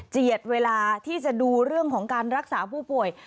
เวลาที่จะดูเรื่องของการรักษาผู้ป่วย